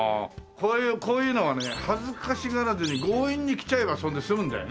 こういうこういうのはね恥ずかしがらずに強引に着ちゃえばそれで済むんだよね？